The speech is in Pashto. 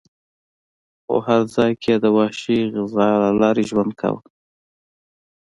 خو هر ځای کې یې د وحشي غذا له لارې ژوند کاوه.